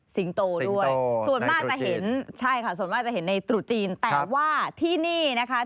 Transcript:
สิงโตด้วยส่วนมากจะเห็นในตรุษจีนแต่ว่าที่นี่นะคะ